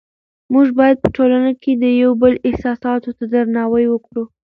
موږ باید په ټولنه کې د یو بل احساساتو ته درناوی وکړو